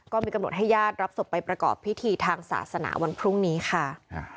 ก็มีกำหนดให้ญาติรับศพไปประกอบพิธีทางศาสนาวันพรุ่งนี้ค่ะ